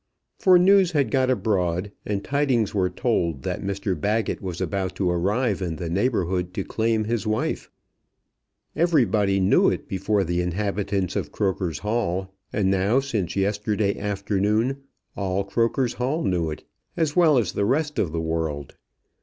For news had got abroad, and tidings were told that Mr Baggett was about to arrive in the neighbourhood to claim his wife. Everybody knew it before the inhabitants of Croker's Hall. And now, since yesterday afternoon, all Croker's Hall knew it, as well as the rest of the world.